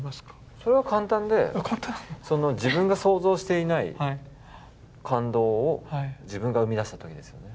それは簡単で自分が想像していない感動を自分が生み出した時ですよね。